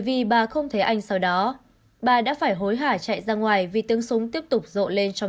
vì bà không thấy anh sau đó bà đã phải hối hả chạy ra ngoài vì tiếng súng tiếp tục rộ lên trong